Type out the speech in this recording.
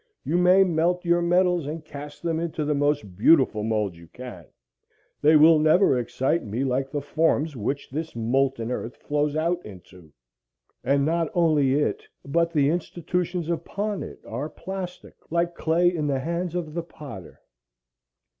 You may melt your metals and cast them into the most beautiful moulds you can; they will never excite me like the forms which this molten earth flows out into. And not only it, but the institutions upon it, are plastic like clay in the hands of the potter.